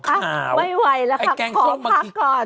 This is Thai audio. ไม่ไหวแล้วค่ะขอพักก่อนขอไปเจอข้าวร้อน